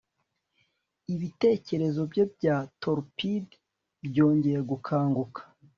Ibitekerezo bye bya torpid byongeye gukanguka